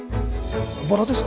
バラですか？